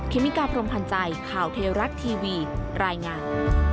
เมกาพรมพันธ์ใจข่าวเทราะทีวีรายงาน